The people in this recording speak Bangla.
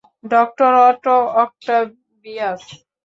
Doctor Otto Octavius.